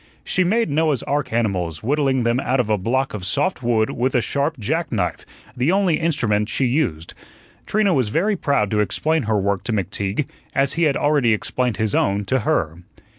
She made Noah's ark animals, whittling them out of a block of soft wood with a sharp jack knife, the only instrument she used. Trina was very proud to explain her work to McTeague as he had already explained his own to her.